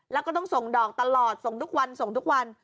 แล้วก็ต้องส่งดอกตลอดส่งทุกวันส่งทุกวัน